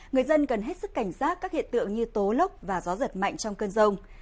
người dân cần hết sức cảnh giác các hiện tượng như tố lốc và gió giật mạnh trong cơn rông